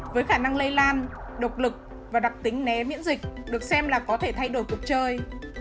với khả năng lây lan độc lực và đặc tính né miễn dịch được xem là có thể thay đổi cuộc chơi